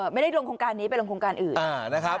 ไม่ได้ลงโครงการนี้ไปลงโครงการอื่นนะครับ